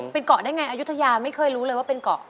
เป็นเกาะได้ไงอายุทยาไม่เคยรู้เลยว่าเป็นเกาะ